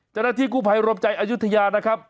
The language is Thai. เจ้าหน้าที่กู้ภัยรวมใจอายุทยานะครับ